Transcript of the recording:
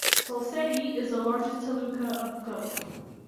Salcete is the largest taluka of Goa.